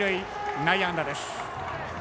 内野安打です。